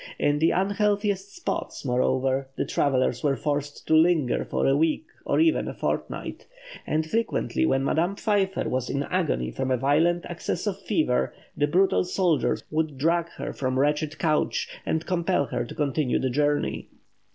In the unhealthiest spots, moreover, the travellers were forced to linger for a week or even a fortnight; and frequently when Madame Pfeiffer was in agony from a violent access of fever, the brutal soldiers would drag her from her wretched couch, and compel her to continue the journey.